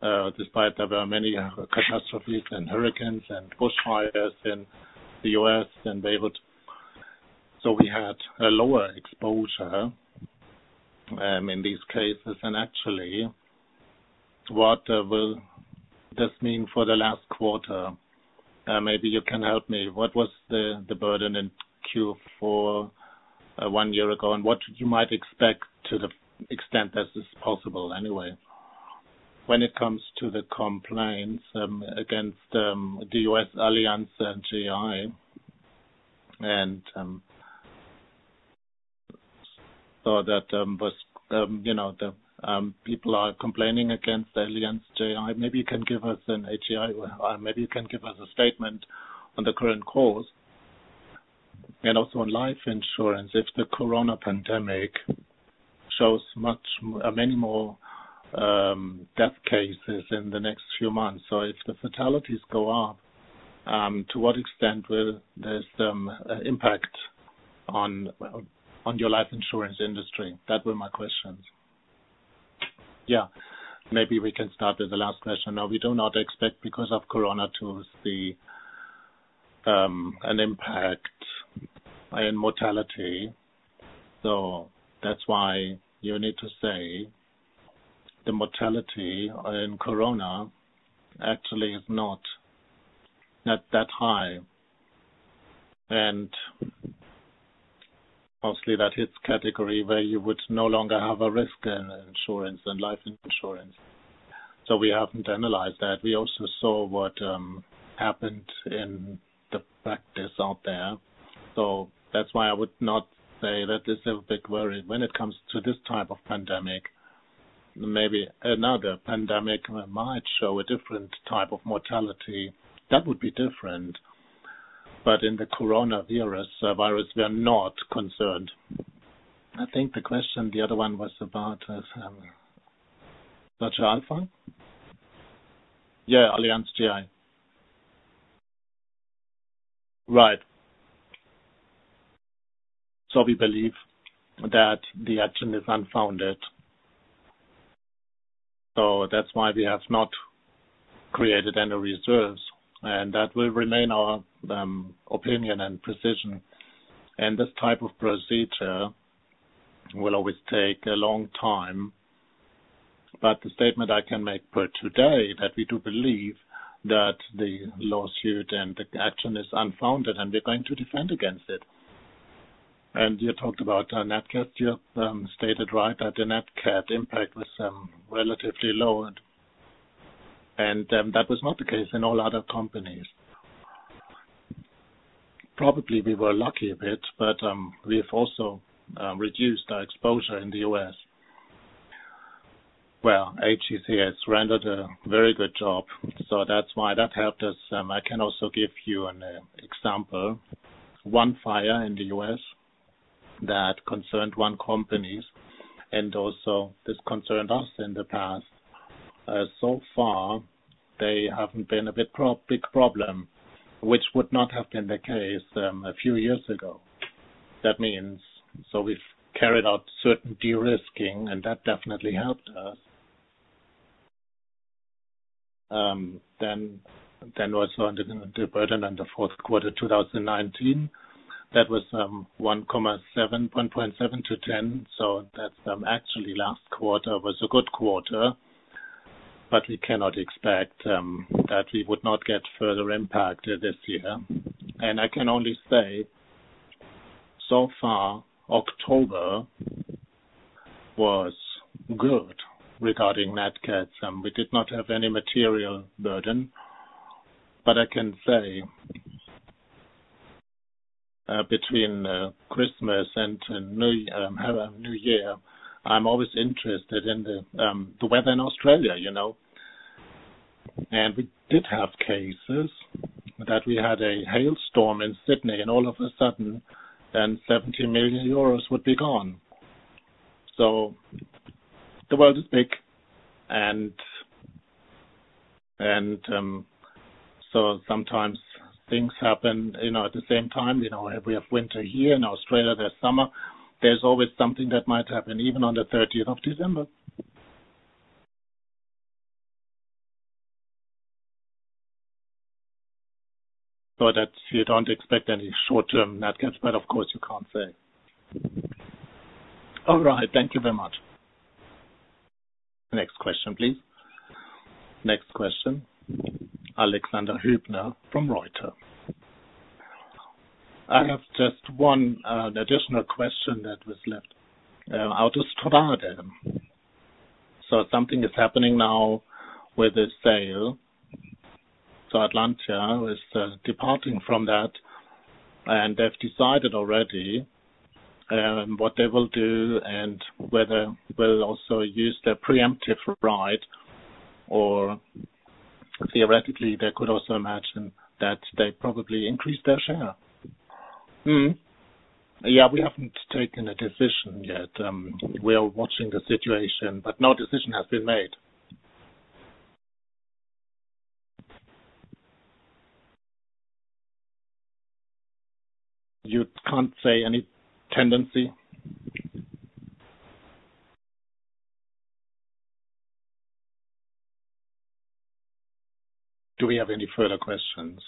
there were many catastrophes and hurricanes and bushfires in the U.S. and Australia. So we had a lower exposure in these cases. And actually, what will this mean for the last quarter? Maybe you can help me. What was the burden in Q4 one year ago and what you might expect to the extent that is possible anyway? When it comes to the complaints against the U.S. AllianzGI and I saw that the people are complaining against AllianzGI, maybe you can give us an AGI, maybe you can give us a statement on the current case. And also on life insurance, if the Corona pandemic shows many more death cases in the next few months, so if the fatalities go up, to what extent will this impact on your life insurance industry? That were my questions. Yeah. Maybe we can start with the last question. No, we do not expect because of Corona to see an impact in mortality. So that's why you need to say the mortality in Corona actually is not that high. And mostly that hits category where you would no longer have a risk in insurance and life insurance. So we haven't analyzed that. We also saw what happened in the practice out there. So that's why I would not say that this is a big worry. When it comes to this type of pandemic, maybe another pandemic might show a different type of mortality. That would be different. But in the coronavirus, we are not concerned. I think the question, the other one was about Structured Alpha? Yeah, AllianzGI. Right. So we believe that the action is unfounded. So that's why we have not created any reserves. And that will remain our opinion and position. And this type of procedure will always take a long time. But the statement I can make per today that we do believe that the lawsuit and the action is unfounded and we're going to defend against it. And you talked about NatCat. You stated right that the NatCat impact was relatively low. That was not the case in all other companies. Probably we were lucky a bit, but we've also reduced our exposure in the U.S. Well, AGCS has rendered a very good job. So that's why that helped us. I can also give you an example. One fire in the U.S. that concerned one company. And also this concerned us in the past. So far, they haven't been a big problem, which would not have been the case a few years ago. That means we've carried out certain de-risking, and that definitely helped us. Then we're still under the burden in the fourth quarter 2019. That was 107-110. So that's actually last quarter was a good quarter. But we cannot expect that we would not get further impact this year. And I can only say so far, October was good regarding NatCat. We did not have any material burden, but I can say between Christmas and New Year, I'm always interested in the weather in Australia, and we did have cases that we had a hailstorm in Sydney, and all of a sudden, then 70 million euros would be gone, so the world is big, and so sometimes things happen at the same time. We have winter here in Australia, there's summer. There's always something that might happen even on the 30th of December, so that you don't expect any short-term NatCat spread, of course, you can't say. All right. Thank you very much. Next question, please. Next question. Alexander Hübner from Reuters. I have just one additional question that was left out of Autostrade, so something is happening now with the sale, so Atlantia is departing from that. They've decided already what they will do and whether they'll also use their preemptive right. Or theoretically, they could also imagine that they probably increase their share. Yeah, we haven't taken a decision yet. We are watching the situation, but no decision has been made. You can't say any tendency? Do we have any further questions?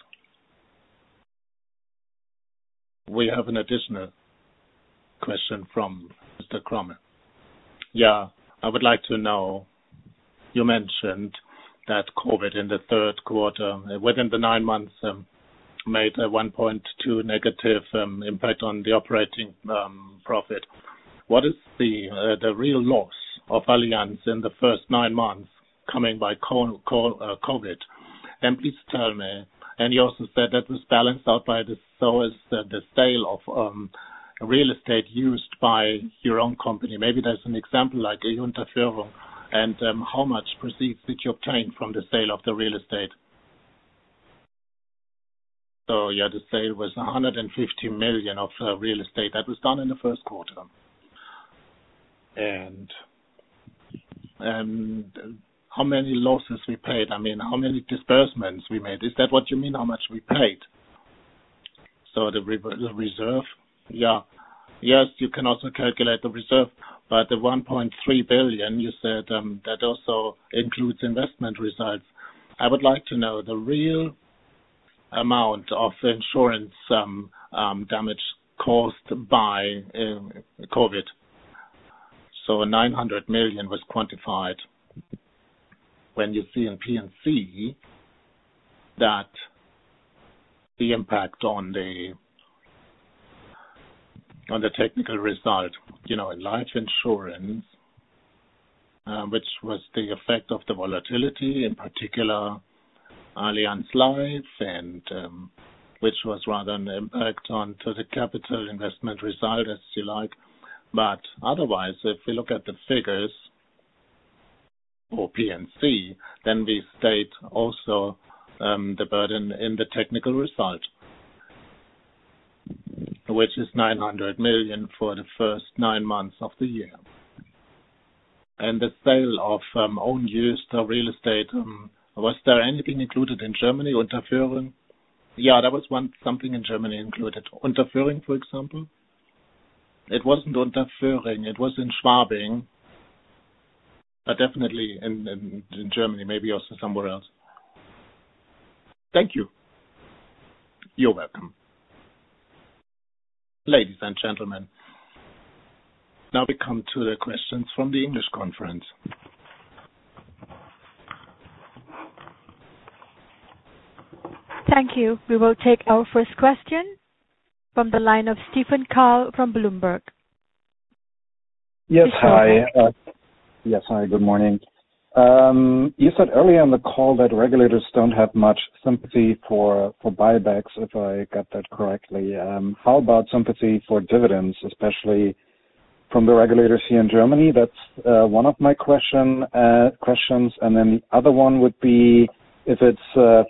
We have an additional question from Mr. Cromer. Yeah. I would like to know. You mentioned that COVID in the third quarter, within the nine months, made a 1.2 negative impact on the operating profit. What is the real loss of Allianz in the first nine months coming by COVID? And please tell me. And you also said that was balanced out by the sale of real estate used by your own company. Maybe there's an example like a Unterföhring. How much proceeds did you obtain from the sale of the real estate? So yeah, the sale was 150 million of real estate. That was done in the first quarter. How many losses we paid? I mean, how many disbursements we made? Is that what you mean, how much we paid? So the reserve? Yeah. Yes, you can also calculate the reserve. But the 1.3 billion, you said that also includes investment results. I would like to know the real amount of insurance damage caused by COVID. So 900 million was quantified. When you see in P&C that the impact on the technical result in life insurance, which was the effect of the volatility, in particular Allianz Life, and which was rather an impact on the capital investment result, as you like. But otherwise, if we look at the figures for P&C, then we state also the burden in the technical result, which is 900 million for the first nine months of the year. And the sale of own-use real estate, was there anything included in Germany, Unterföhring? Yeah, there was something in Germany included. Unterföhring, for example? It wasn't Unterföhring. It was in Schwabing. But definitely in Germany, maybe also somewhere else. Thank you. You're welcome. Ladies and gentlemen, now we come to the questions from the English conference. Thank you. We will take our first question from the line of Stephan Kahl from Bloomberg. Yes, hi. Good morning. You said earlier in the call that regulators don't have much sympathy for buybacks, if I got that correctly. How about sympathy for dividends, especially from the regulators here in Germany? That's one of my questions. And then the other one would be if it's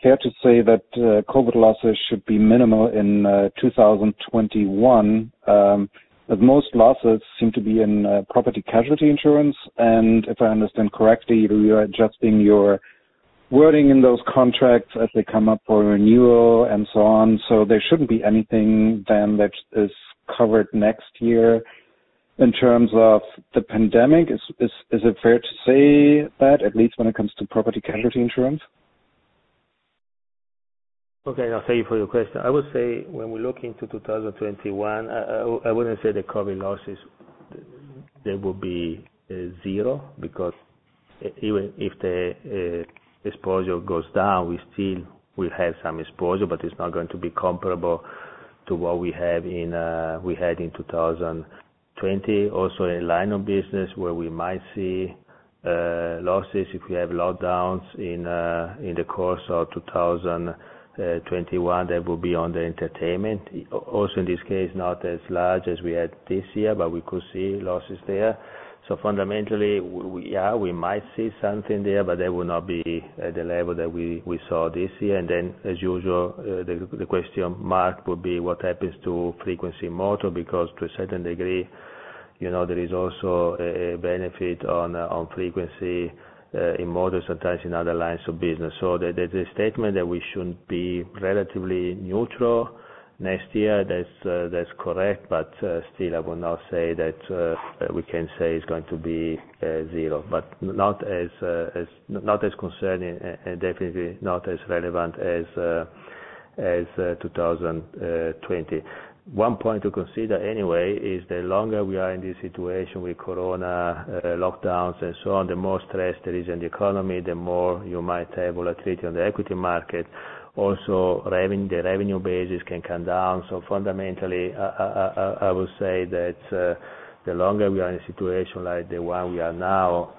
fair to say that COVID losses should be minimal in 2021. But most losses seem to be in property-casualty insurance. And if I understand correctly, you are adjusting your wording in those contracts as they come up for renewal and so on. So there shouldn't be anything then that is covered next year in terms of the pandemic. Is it fair to say that, at least when it comes to property-casualty insurance? Okay. Thank you for your question. I would say when we look into 2021, I wouldn't say the COVID losses, they will be zero because even if the exposure goes down, we still will have some exposure, but it's not going to be comparable to what we had in 2020. Also in line of business, where we might see losses if we have lockdowns in the course of 2021, that will be on the entertainment. Also in this case, not as large as we had this year, but we could see losses there. So fundamentally, yeah, we might see something there, but that will not be at the level that we saw this year. And then, as usual, the question mark would be what happens to frequency in Motor because to a certain degree, there is also a benefit on frequency in Motor, sometimes in other lines of business. So there's a statement that we should be relatively neutral next year. That's correct. But still, I will not say that we can say it's going to be zero. But not as concerning and definitely not as relevant as 2020. One point to consider anyway is the longer we are in this situation with Corona lockdowns and so on, the more stress there is in the economy, the more you might have volatility on the equity market. Also, the revenue basis can come down. So fundamentally, I will say that the longer we are in a situation like the one we are now,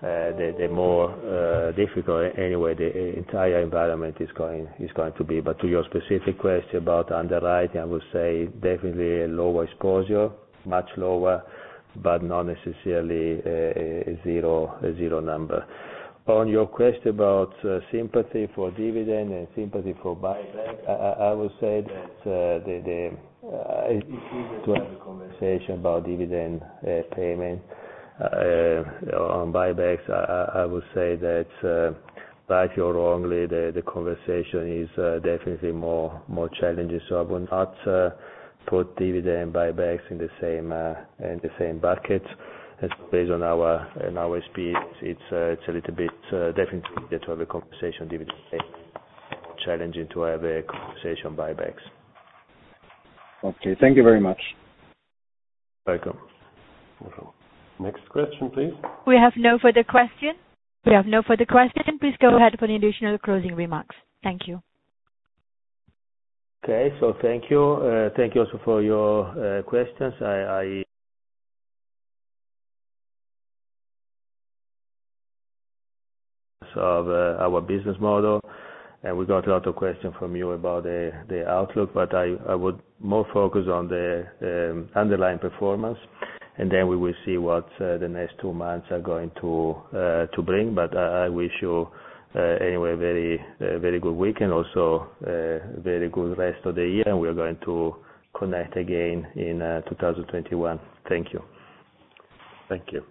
the more difficult anyway the entire environment is going to be. But to your specific question about underwriting, I will say definitely a lower exposure, much lower, but not necessarily a zero number. On your question about sympathy for dividend and sympathy for buyback, I will say that it's easier to have a conversation about dividend payment on buybacks. I will say that rightly or wrongly, the conversation is definitely more challenging. So I will not put dividend buybacks in the same bucket. Based on our speed, it's a little bit definitely easier to have a conversation on dividend payment. Challenging to have a conversation on buybacks. Okay. Thank you very much. Welcome. Next question, please. We have no further questions. We have no further questions. Please go ahead for any additional closing remarks. Thank you. Okay. So thank you. Thank you also for your questions. So our business model. And we got a lot of questions from you about the outlook, but I would more focus on the underlying performance. And then we will see what the next two months are going to bring. But I wish you anyway a very good week and also a very good rest of the year. And we are going to connect again in 2021. Thank you.